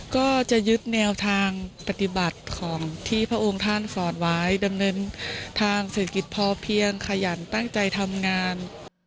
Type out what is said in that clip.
ก็จะยึดแนวทางปฏิบัติของที่พระองค์ท่านสอนไว้ดำเนินทางเศรษฐกิจพอเพียงขยันตั้งใจทำงาน